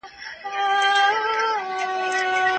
ايا حضوري تدريس د انلاين زده کړې په پرتله د تمرکز فضا ښه ساتي؟